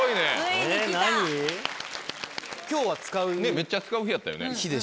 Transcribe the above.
めっちゃ使う日やったよね。